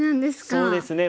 そうですね。